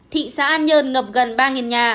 thị xã an nhơn ngập gần ba nhà